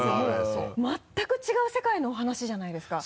全く違う世界のお話じゃないですか。